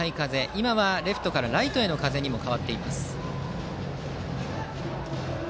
今はレフトからライトへの風にも変わっています。